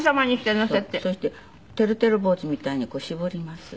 そしててるてる坊主みたいに絞ります。